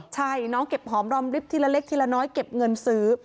ใช่น้องเก็บหอมรอมริบทีละเล็กทีละน้อยเก็บเงินซื้อ